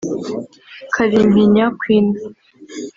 Kalimpinya Queen